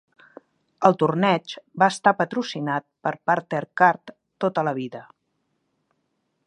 El torneig va estar patrocinat per Bartercard tota la vida.